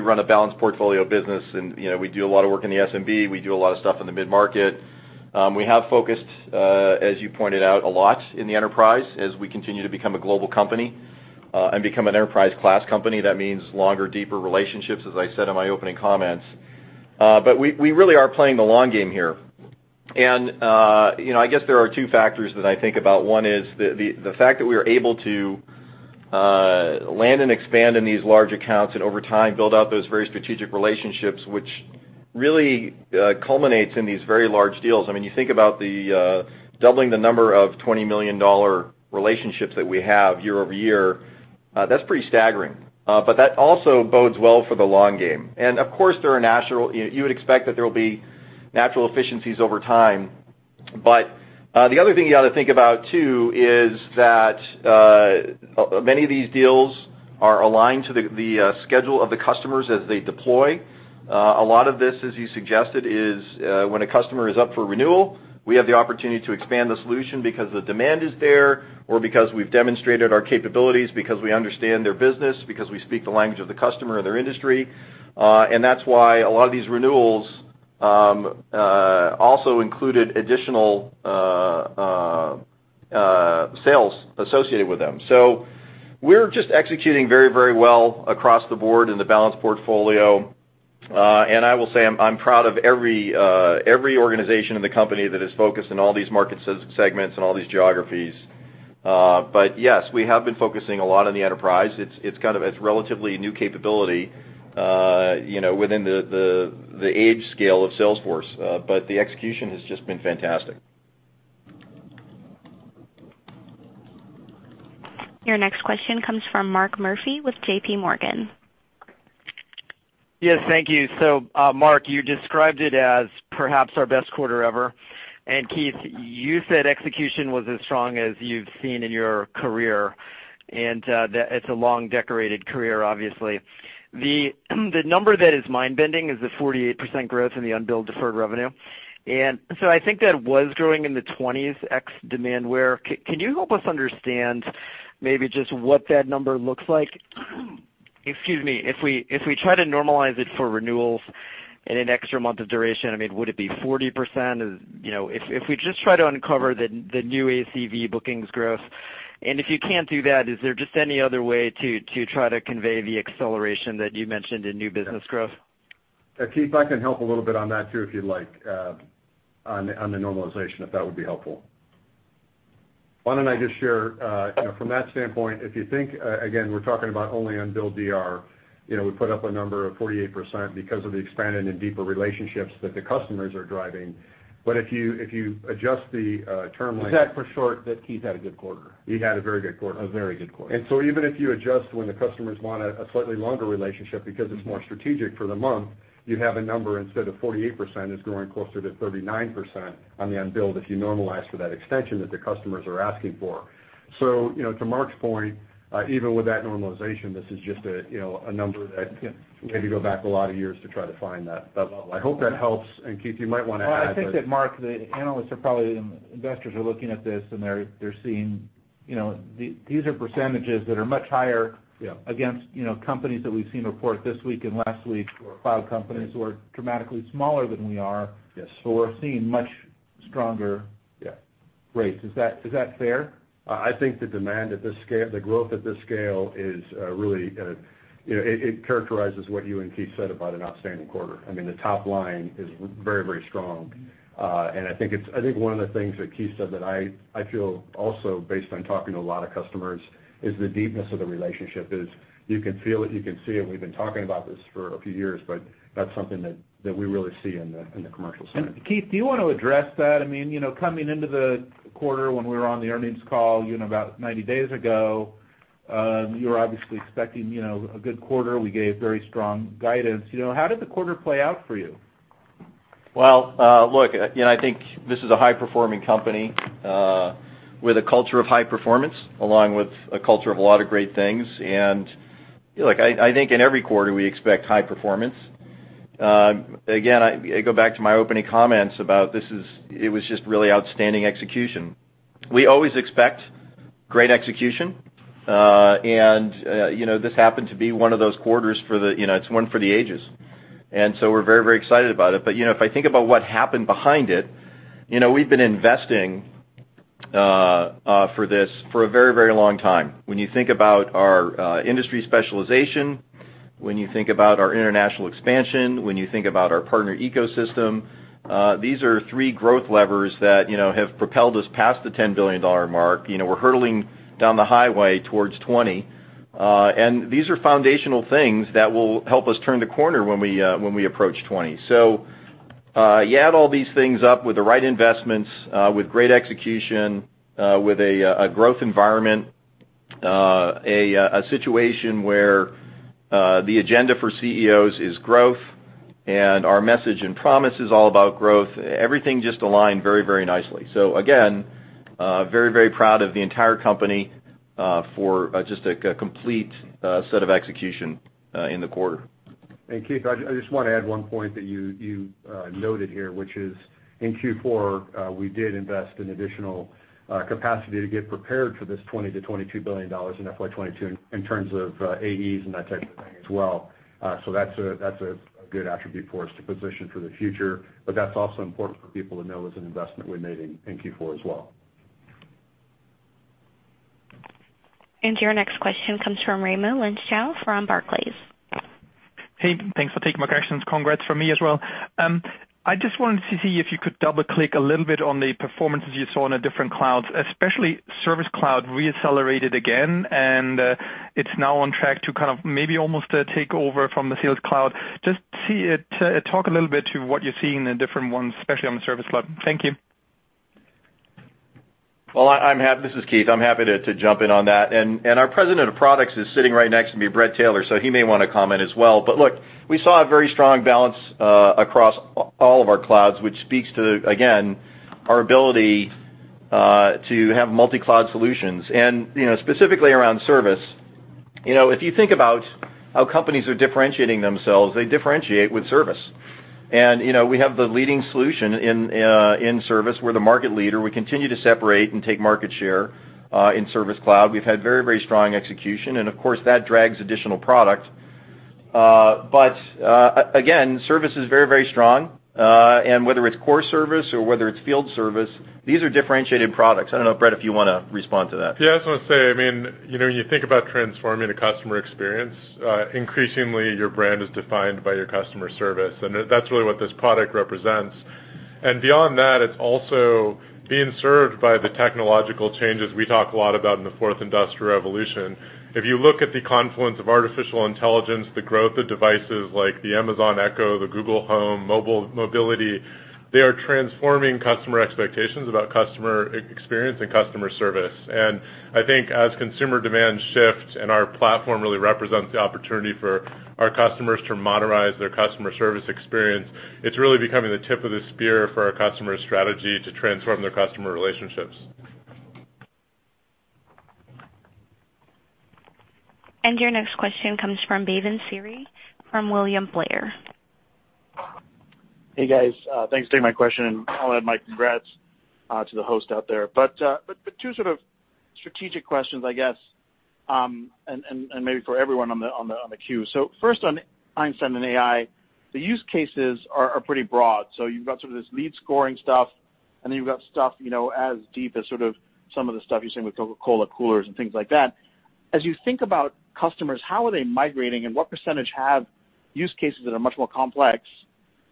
run a balanced portfolio business and we do a lot of work in the SMB, we do a lot of stuff in the mid-market. We have focused, as you pointed out, a lot in the enterprise as we continue to become a global company, and become an enterprise class company. That means longer, deeper relationships, as I said in my opening comments. We really are playing the long game here. I guess there are two factors that I think about. One is the fact that we are able to land and expand in these large accounts, and over time, build out those very strategic relationships, which really culminates in these very large deals. You think about doubling the number of $20 million relationships that we have year-over-year, that's pretty staggering. That also bodes well for the long game. Of course, you would expect that there will be natural efficiencies over time. The other thing you got to think about, too, is that many of these deals are aligned to the schedule of the customers as they deploy. A lot of this, as you suggested, is when a customer is up for renewal, we have the opportunity to expand the solution because the demand is there, or because we've demonstrated our capabilities, because we understand their business, because we speak the language of the customer and their industry. That's why a lot of these renewals also included additional sales associated with them. We're just executing very well across the board in the balanced portfolio. I will say, I'm proud of every organization in the company that is focused on all these market segments and all these geographies. Yes, we have been focusing a lot on the enterprise. It's a relatively new capability within the age scale of Salesforce. The execution has just been fantastic. Your next question comes from Mark Murphy with JPMorgan. Yes. Thank you. Mark, you described it as perhaps our best quarter ever, and Keith, you said execution was as strong as you've seen in your career, and that it's a long, decorated career, obviously. The number that is mind-bending is the 48% growth in the unbilled deferred revenue. I think that was growing in the 20s, ex Demandware. Can you help us understand maybe just what that number looks like? Excuse me. If we try to normalize it for renewals and an extra month of duration, would it be 40%? If we just try to uncover the new ACV bookings growth, if you can't do that, is there just any other way to try to convey the acceleration that you mentioned in new business growth? Keith, I can help a little bit on that, too, if you'd like, on the normalization, if that would be helpful. Why don't I just share, from that standpoint, if you think, again, we're talking about only unbilled DR. We put up a number of 48% because of the expanded and deeper relationships that the customers are driving. If you adjust the term length- Is that for short, that Keith had a good quarter? He had a very good quarter. A very good quarter. Even if you adjust when the customers want a slightly longer relationship, because it's more strategic for the month, you have a number, instead of 48%, it's growing closer to 39% on the unbilled, if you normalize for that extension that the customers are asking for. To Mark's point, even with that normalization, this is just a number that maybe go back a lot of years to try to find that level. I hope that helps, and Keith, you might want to add that. Well, I think that, Mark, the analysts and investors are looking at this, and they're seeing these are percentages that are much higher. Yeah against companies that we've seen report this week and last week. Sure cloud companies who are dramatically smaller than we are. Yes. We're seeing much stronger. Yeah Right. Is that fair? I think the growth at this scale, it characterizes what you and Keith said about an outstanding quarter. I mean, the top line is very strong. I think one of the things that Keith said that I feel also, based on talking to a lot of customers, is the deepness of the relationship is you can feel it, you can see it. We've been talking about this for a few years, but that's something that we really see in the commercial center. Keith, do you want to address that? Coming into the quarter, when we were on the earnings call about 90 days ago, you were obviously expecting a good quarter. We gave very strong guidance. How did the quarter play out for you? Well, look, I think this is a high-performing company, with a culture of high performance, along with a culture of a lot of great things. I think in every quarter, we expect high performance. Again, I go back to my opening comments about it was just really outstanding execution. We always expect great execution. This happened to be one of those quarters, it's one for the ages. So we're very excited about it. If I think about what happened behind it, we've been investing for this for a very long time. When you think about our industry specialization, when you think about our international expansion, when you think about our partner ecosystem, these are three growth levers that have propelled us past the $10 billion mark. We're hurtling down the highway towards $20 billion. These are foundational things that will help us turn the corner when we approach $20 billion. You add all these things up with the right investments, with great execution, with a growth environment, a situation where the agenda for CEOs is growth, our message and promise is all about growth, everything just aligned very nicely. Again, very proud of the entire company for just a complete set of execution in the quarter. Keith, I just want to add one point that you noted here, which is in Q4, we did invest in additional capacity to get prepared for this $20 billion-$22 billion in FY 2022, in terms of AEs and that type of thing as well. That's a good attribute for us to position for the future, but that's also important for people to know is an investment we made in Q4 as well. Your next question comes from Raimo Lenschow from Barclays. Hey, thanks for taking my questions. Congrats from me as well. I just wanted to see if you could double-click a little bit on the performances you saw on the different clouds, especially Service Cloud re-accelerated again, and it's now on track to kind of maybe almost take over from the Sales Cloud. Just talk a little bit to what you're seeing in different ones, especially on the Service Cloud. Thank you. Well, this is Keith. I'm happy to jump in on that. Our President of Products is sitting right next to me, Bret Taylor, he may want to comment as well. Look, we saw a very strong balance across all of our clouds, which speaks to, again, our ability to have multi-cloud solutions. Specifically around service, if you think about how companies are differentiating themselves, they differentiate with service. We have the leading solution in service. We're the market leader. We continue to separate and take market share in Service Cloud. We've had very strong execution, of course, that drags additional product. Again, service is very strong. Whether it's core service or whether it's field service, these are differentiated products. I don't know, Bret, if you want to respond to that. I just want to say, when you think about transforming the customer experience, increasingly, your brand is defined by your customer service, and that's really what this product represents. Beyond that, it's also being served by the technological changes we talk a lot about in the fourth industrial revolution. If you look at the confluence of artificial intelligence, the growth of devices like the Amazon Echo, the Google Home, mobility, they are transforming customer expectations about customer experience and customer service. I think as consumer demand shifts, our platform really represents the opportunity for our customers to modernize their customer service experience, it's really becoming the tip of the spear for our customers' strategy to transform their customer relationships. Your next question comes from Bhavan Suri from William Blair. Hey, guys. Thanks for taking my question, I'll add my congrats to the host out there. Two sort of strategic questions, I guess, maybe for everyone on the queue. First on Einstein and AI, the use cases are pretty broad. You've got sort of this lead scoring stuff, then you've got stuff as deep as sort of some of the stuff you're seeing with Coca-Cola coolers and things like that. As you think about customers, how are they migrating, and what percentage have use cases that are much more complex?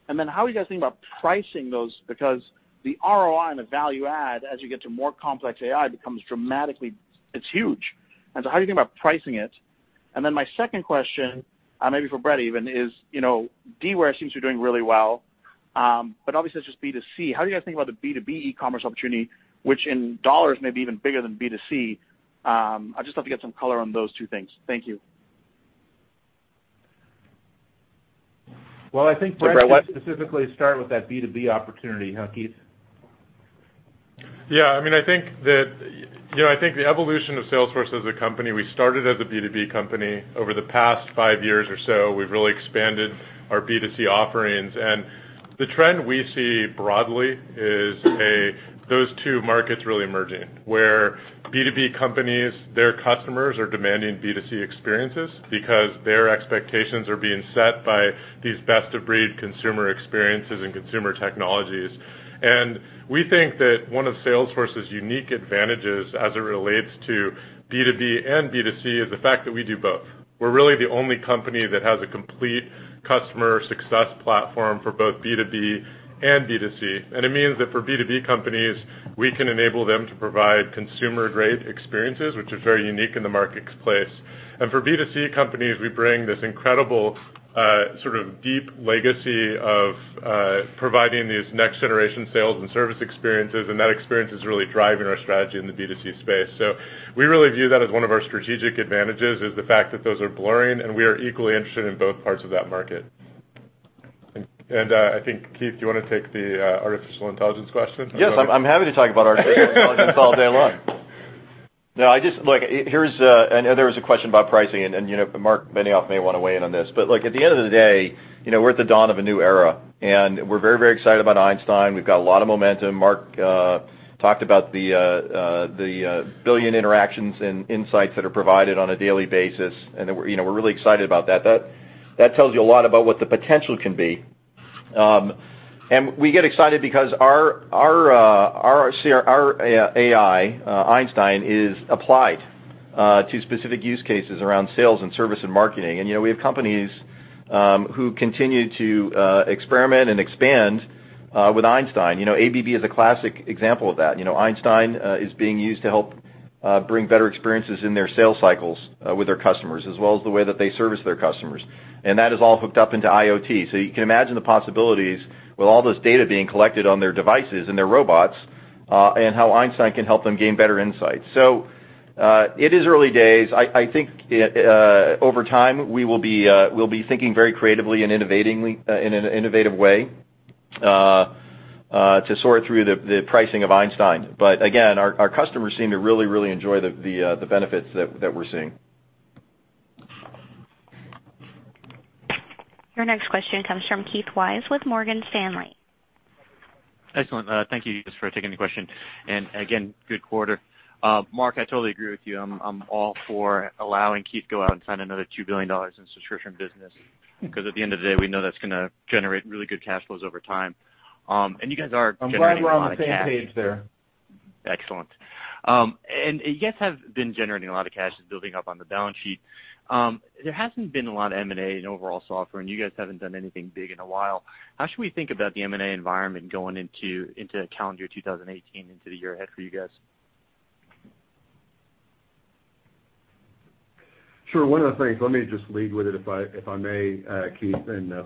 Then how are you guys thinking about pricing those? Because the ROI and the value add as you get to more complex AI becomes dramatically-- it's huge. How are you thinking about pricing it? Then my second question, maybe for Bret even, is, Demandware seems to be doing really well. Obviously that's just B2C. How are you guys thinking about the B2B e-commerce opportunity, which in dollars may be even bigger than B2C? I'd just love to get some color on those two things. Thank you. Well, I think Bret can specifically start with that B2B opportunity, huh, Keith? Yeah, I think the evolution of Salesforce as a company, we started as a B2B company. Over the past five years or so, we've really expanded our B2C offerings. The trend we see broadly is those two markets really emerging, where B2B companies, their customers are demanding B2C experiences because their expectations are being set by these best-of-breed consumer experiences and consumer technologies. We think that one of Salesforce's unique advantages as it relates to B2B and B2C is the fact that we do both. We're really the only company that has a complete customer success platform for both B2B and B2C. It means that for B2B companies, we can enable them to provide consumer-grade experiences, which is very unique in the marketplace. For B2C companies, we bring this incredible sort of deep legacy of providing these next-generation sales and service experiences, and that experience is really driving our strategy in the B2C space. We really view that as one of our strategic advantages, is the fact that those are blurring, and we are equally interested in both parts of that market. I think, Keith, do you want to take the artificial intelligence question? Yes, I'm happy to talk about artificial intelligence all day long. There was a question about pricing, and Marc Benioff may want to weigh in on this. At the end of the day, we're at the dawn of a new era, and we're very excited about Einstein. We've got a lot of momentum. Marc talked about the billion interactions and insights that are provided on a daily basis, and we're really excited about that. That tells you a lot about what the potential can be. We get excited because our AI, Einstein, is applied to specific use cases around sales and service and marketing. We have companies who continue to experiment and expand with Einstein. ABB is a classic example of that. Einstein is being used to help bring better experiences in their sales cycles with their customers, as well as the way that they service their customers. That is all hooked up into IoT. You can imagine the possibilities with all this data being collected on their devices and their robots, and how Einstein can help them gain better insights. It is early days. I think over time, we'll be thinking very creatively and in an innovative way to sort through the pricing of Einstein. Again, our customers seem to really enjoy the benefits that we're seeing. Your next question comes from Keith Weiss with Morgan Stanley. Excellent. Thank you for taking the question. Again, good quarter. Marc, I totally agree with you. I'm all for allowing Keith to go out and sign another $2 billion in subscription business, because at the end of the day, we know that's going to generate really good cash flows over time. You guys are generating a lot of cash. I'm glad we're on the same page there. Excellent. You guys have been generating a lot of cash that's building up on the balance sheet. There hasn't been a lot of M&A in overall software, and you guys haven't done anything big in a while. How should we think about the M&A environment going into calendar 2018 into the year ahead for you guys? Sure. One of the things, let me just lead with it, if I may, Keith,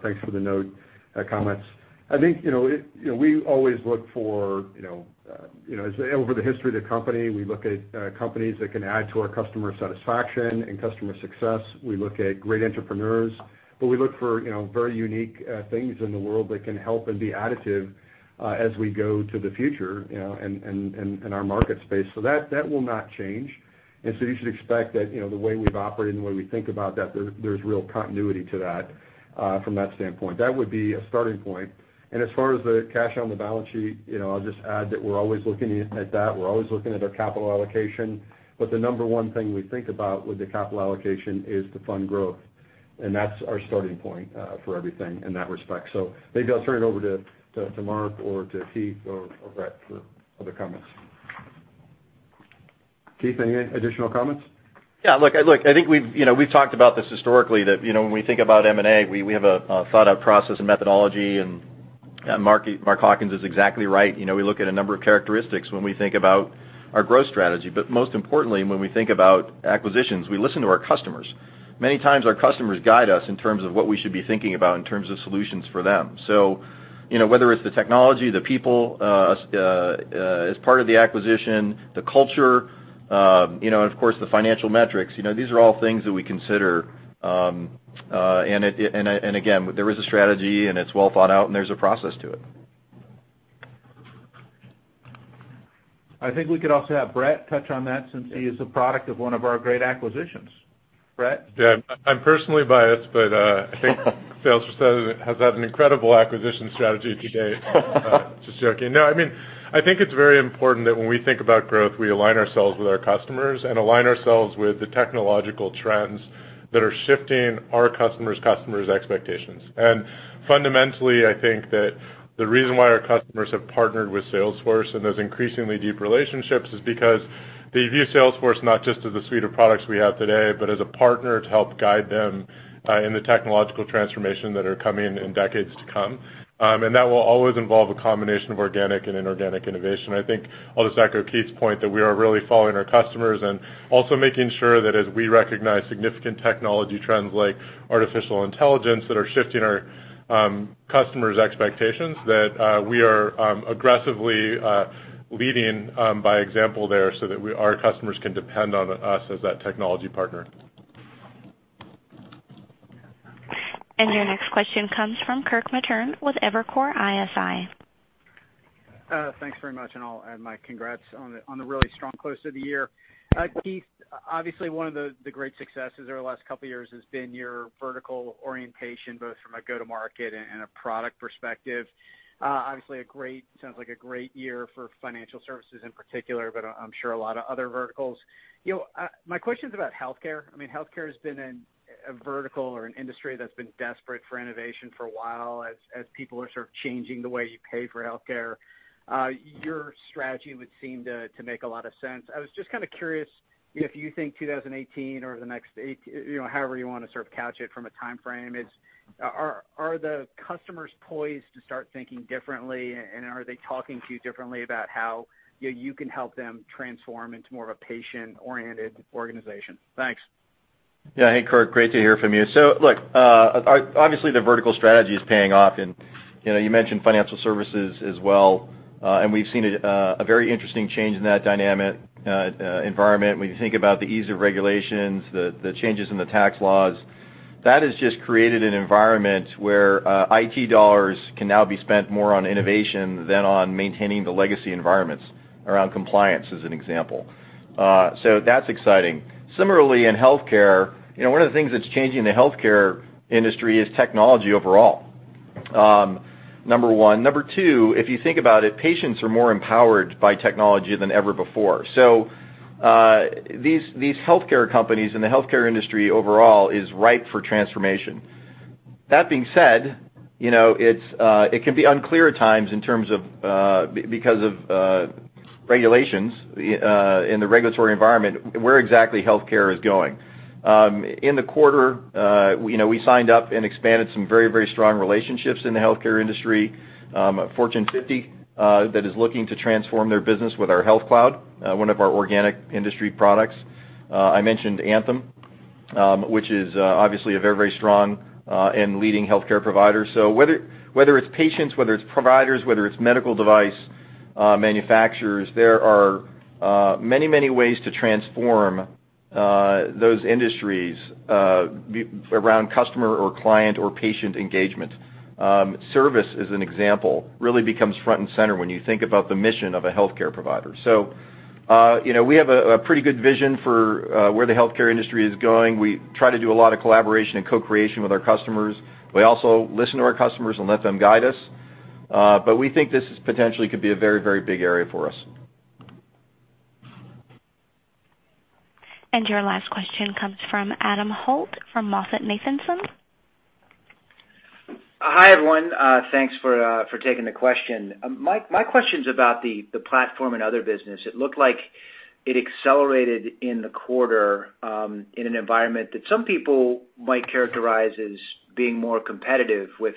thanks for the note, comments. I think, over the history of the company, we look at companies that can add to our customer satisfaction and customer success. We look at great entrepreneurs, but we look for very unique things in the world that can help and be additive as we go to the future, and our market space. That will not change. You should expect that the way we've operated and the way we think about that, there's real continuity to that from that standpoint. That would be a starting point. As far as the cash on the balance sheet, I'll just add that we're always looking at that. We're always looking at our capital allocation. The number one thing we think about with the capital allocation is to fund growth. That's our starting point for everything in that respect. Maybe I'll turn it over to Marc or to Keith or Bret for other comments. Keith, any additional comments? Yeah, look, I think we've talked about this historically, that when we think about M&A, we have a thought-out process and methodology, and Mark Hawkins is exactly right. We look at a number of characteristics when we think about our growth strategy. Most importantly, when we think about acquisitions, we listen to our customers. Many times our customers guide us in terms of what we should be thinking about in terms of solutions for them. Whether it's the technology, the people, as part of the acquisition, the culture, and of course, the financial metrics. These are all things that we consider. Again, there is a strategy, and it's well thought out, and there's a process to it. I think we could also have Bret touch on that since he is a product of one of our great acquisitions. Bret? Yeah. I'm personally biased, but I think Salesforce has had an incredible acquisition strategy to date. Just joking. I think it's very important that when we think about growth, we align ourselves with our customers and align ourselves with the technological trends that are shifting our customers' customers' expectations. Fundamentally, I think that the reason why our customers have partnered with Salesforce and those increasingly deep relationships is because they view Salesforce not just as a suite of products we have today, but as a partner to help guide them in the technological transformation that are coming in decades to come. That will always involve a combination of organic and inorganic innovation. I think I'll just echo Keith's point that we are really following our customers and also making sure that as we recognize significant technology trends like artificial intelligence that are shifting our customers' expectations, that we are aggressively leading by example there so that our customers can depend on us as that technology partner. Your next question comes from Kirk Materne with Evercore ISI. Thanks very much. I'll add my congrats on the really strong close to the year. Keith, obviously one of the great successes over the last couple of years has been your vertical orientation, both from a go-to-market and a product perspective. Obviously, sounds like a great year for financial services in particular, but I'm sure a lot of other verticals. My question's about healthcare. Healthcare has been a vertical or an industry that's been desperate for innovation for a while, as people are sort of changing the way you pay for healthcare. Your strategy would seem to make a lot of sense. I was just kind of curious if you think 2018 or the next, however you want to sort of couch it from a timeframe is, are the customers poised to start thinking differently, and are they talking to you differently about how you can help them transform into more of a patient-oriented organization? Thanks. Yeah. Hey, Kirk, great to hear from you. Look, obviously the vertical strategy is paying off and you mentioned financial services as well. We've seen a very interesting change in that dynamic environment. When you think about the ease of regulations, the changes in the tax laws, that has just created an environment where IT dollars can now be spent more on innovation than on maintaining the legacy environments around compliance, as an example. That's exciting. Similarly, in healthcare, one of the things that's changing the healthcare industry is technology overall, number one. Number two, if you think about it, patients are more empowered by technology than ever before. These healthcare companies and the healthcare industry overall is ripe for transformation. That being said, it can be unclear at times because of regulations in the regulatory environment, where exactly healthcare is going. In the quarter, we signed up and expanded some very strong relationships in the healthcare industry. Fortune 50, that is looking to transform their business with our Health Cloud, one of our organic industry products. I mentioned Anthem, which is obviously a very strong and leading healthcare provider. Whether it's patients, whether it's providers, whether it's medical device manufacturers, there are many ways to transform those industries around customer or client or patient engagement. Service as an example, really becomes front and center when you think about the mission of a healthcare provider. We have a pretty good vision for where the healthcare industry is going. We try to do a lot of collaboration and co-creation with our customers. We also listen to our customers and let them guide us. We think this potentially could be a very big area for us. Your last question comes from Adam Holt from MoffettNathanson. Hi, everyone. Thanks for taking the question. My question's about the Salesforce Platform and Other business. It looked like it accelerated in the quarter, in an environment that some people might characterize as being more competitive with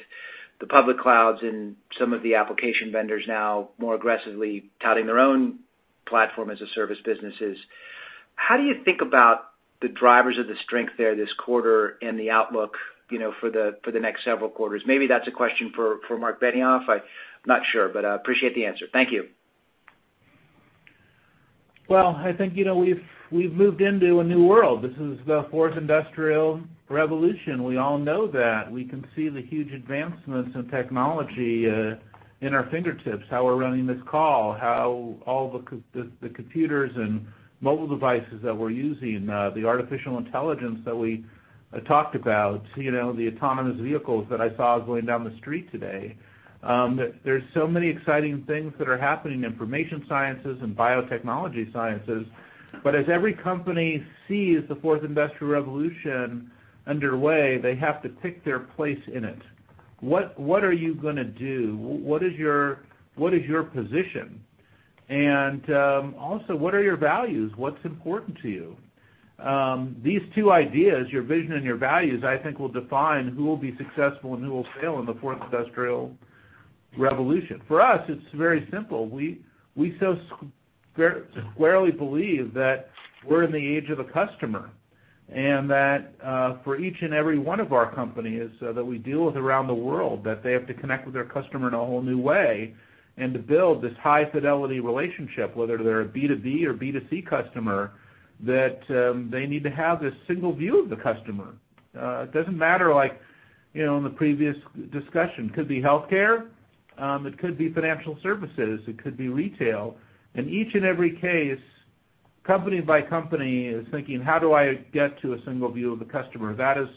the public clouds and some of the application vendors now more aggressively touting their own platform-as-a-service businesses. How do you think about the drivers of the strength there this quarter and the outlook for the next several quarters? Maybe that's a question for Marc Benioff. I'm not sure, but I appreciate the answer. Thank you. I think, we've moved into a new world. This is the fourth industrial revolution. We all know that. We can see the huge advancements in technology in our fingertips, how we're running this call. How all the computers and mobile devices that we're using, the artificial intelligence that we talked about, the autonomous vehicles that I saw going down the street today. There's so many exciting things that are happening, information sciences and biotechnology sciences. As every company sees the fourth industrial revolution underway, they have to pick their place in it. What are you going to do? What is your position? Also, what are your values? What's important to you? These two ideas, your vision and your values, I think will define who will be successful and who will fail in the fourth industrial revolution. For us, it's very simple. We so squarely believe that we're in the age of the customer, that, for each and every one of our companies that we deal with around the world, that they have to connect with their customer in a whole new way, and to build this high-fidelity relationship, whether they're a B2B or B2C customer, that they need to have this single view of the customer. It doesn't matter, like in the previous discussion, it could be healthcare, it could be financial services, it could be retail. In each and every case, company by company is thinking, "How do I get to a single view of the customer?" That is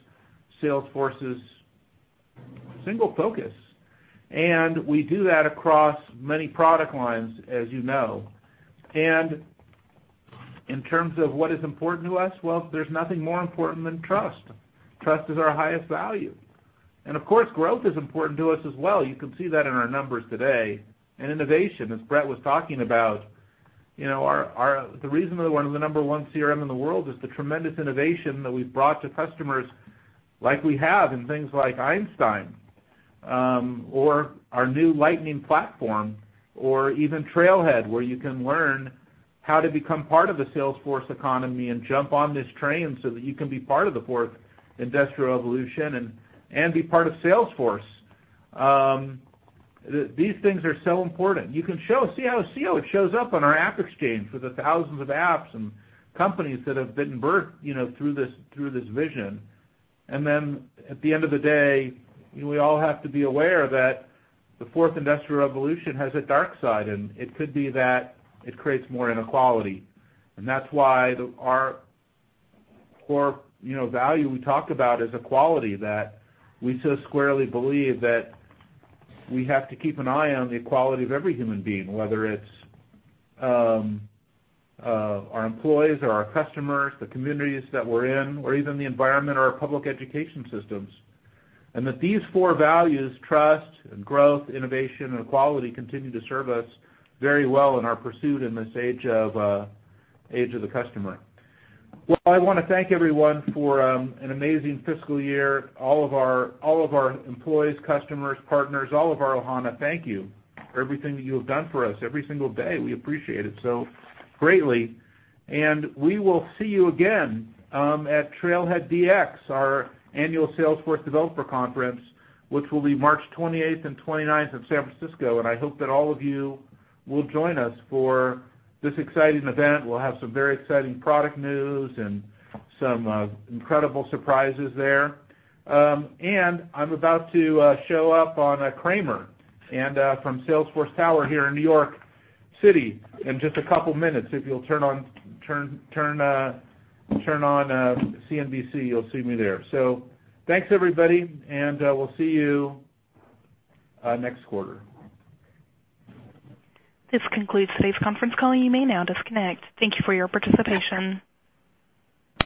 Salesforce's single focus. We do that across many product lines, as you know. In terms of what is important to us, there's nothing more important than trust. Trust is our highest value. Of course, growth is important to us as well. You can see that in our numbers today. Innovation, as Bret was talking about. The reason that we're the number one CRM in the world is the tremendous innovation that we've brought to customers like we have in things like Einstein, or our new Lightning platform, or even Trailhead, where you can learn how to become part of the Salesforce economy and jump on this train so that you can be part of the fourth industrial revolution and be part of Salesforce. These things are so important. You can see how it shows up on our AppExchange, with the thousands of apps and companies that have been birthed through this vision. At the end of the day, we all have to be aware that the fourth industrial revolution has a dark side, and it could be that it creates more inequality. That's why our core value we talk about is equality, that we so squarely believe that we have to keep an eye on the equality of every human being, whether it's our employees or our customers, the communities that we're in, or even the environment or our public education systems. These four values, trust, growth, innovation, and equality, continue to serve us very well in our pursuit in this age of the customer. I want to thank everyone for an amazing fiscal year. All of our employees, customers, partners, all of our Ohana, thank you for everything that you have done for us every single day. We appreciate it so greatly. We will see you again at TrailheaDX, our annual Salesforce developer conference, which will be March 28th and 29th in San Francisco, and I hope that all of you will join us for this exciting event. We'll have some very exciting product news and some incredible surprises there. I'm about to show up on Cramer from Salesforce Tower here in New York City in just a couple of minutes. If you'll turn on CNBC, you'll see me there. Thanks, everybody, and we'll see you next quarter. This concludes today's conference call. You may now disconnect. Thank you for your participation.